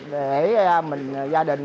để gia đình